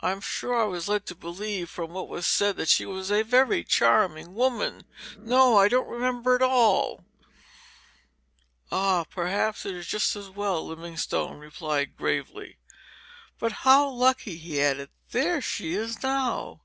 I'm sure I was led to believe from what was said that she was a very charming woman. No, I don't remember at all." "Ah, perhaps it is just as well," Livingstone replied, gravely. "But how lucky!" he added; "there she is now.